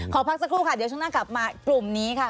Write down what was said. ขอพักสักครู่ค่ะเดี๋ยวช่วงหน้ากลับมากลุ่มนี้ค่ะ